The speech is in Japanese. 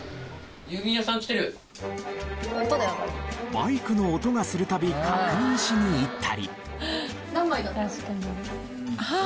バイクの音がする度確認しに行ったり。